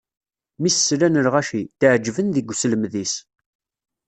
Mi s-slan lɣaci, tɛeǧǧben deg uselmed-is.